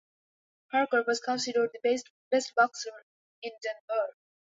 Parker was considered the best boxer in Denver.